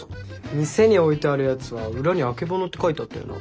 店に置いてあるやつは裏に「曙」って書いてあったよな？